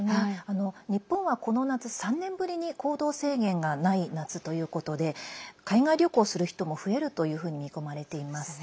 日本は、この夏３年ぶりに行動制限がない夏ということで海外旅行する人も増えるというふうに見込まれています。